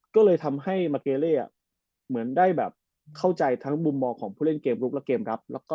ก็เลยทำให้มาเกเล่เหมือนได้แบบเข้าใจทั้งมุมมองของผู้เล่นเกมลุกและเกมรับ